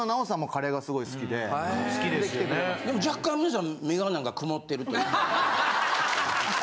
でも若干皆さん目がなんか曇ってるというか。